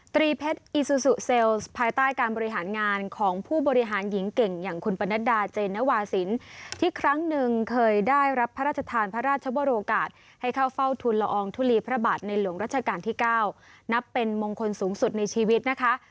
เพชรอีซูซูเซลล์ภายใต้การบริหารงานของผู้บริหารหญิงเก่งอย่างคุณปนัดดาเจนวาสินที่ครั้งหนึ่งเคยได้รับพระราชทานพระราชบรโอกาสให้เข้าเฝ้าทุนละอองทุลีพระบาทในหลวงรัชกาลที่๙นับเป็นมงคลสูงสุดในชีวิตนะคะ